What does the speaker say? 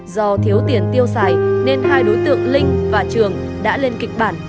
do thiếu tiền tiêu xài nên hai đối tượng linh và trường đã lên kịch bản